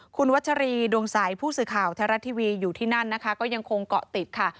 คุณวัชรีดวงใสผู้สื่อข่าวไทยรัฐทีวีอยู่ที่นั่นนะคะก็ยังคงเกาะติดค่ะ